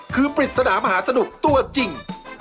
คือปริศนามหาสนุกตัวจริง